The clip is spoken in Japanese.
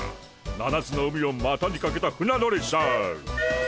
七つの海をまたにかけた船乗りさ。